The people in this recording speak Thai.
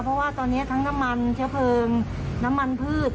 เพราะว่าตอนนี้ทั้งน้ำมันเชื้อเพลิงน้ำมันพืช